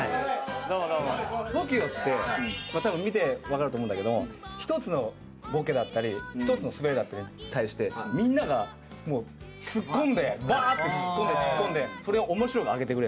「ＴＯＫＩＯってたぶん見て分かると思うんだけど１つのボケだったり１つのスベりだったりに対してみんながツッコんでばーってツッコんでツッコんでそれを面白く上げてくれるの。